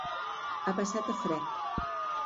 Ha passat a frec.